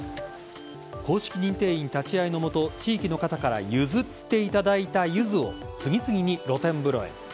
公式認定員立ち会いのもと地域の方から譲っていただいたゆずを次々に露天風呂へ。